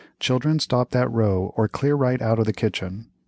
Children stop that row or clear right out to the kitchen.